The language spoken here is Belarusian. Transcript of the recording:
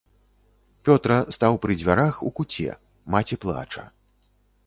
Пётра стаў пры дзвярах у куце, маці плача.